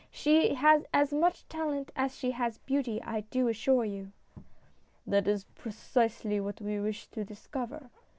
She has as much talent as she has beauty, I do assure you !"" That is precisely what we wish to discover